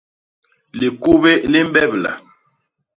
Likubé li mbebla.